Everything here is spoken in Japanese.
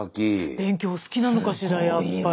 勉強お好きなのかしらやっぱり。